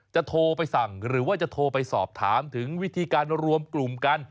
โทรไปสั่งหรือว่าจะโทรไปสอบถามถึงวิธีการรวมกลุ่มกัน